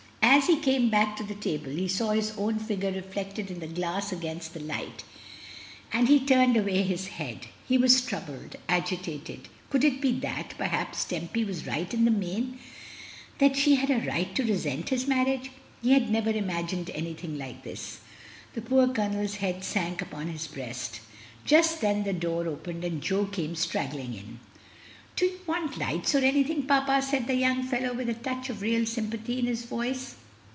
As he came back to the table, he saw his own figure reflected in the glass against the light, and he turned away his head. He was troubled — agitated. Could it be that, perhaps, Tempy was right in the main — ^that she had a right to resent his marriage? He had never imagined anything like this. The poor ColoneFs head sank upon his breast Just then the door opened, and Jo came straggling in. "Don't you wan't lights or anything, papa?" said the young fellow, with a touch of real sympathy in his voice.